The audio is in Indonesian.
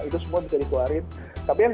itu semua bisa dikeluarin tapi yang